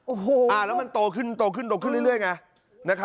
โอ้โหแล้วมันโตขึ้นเรื่อยไง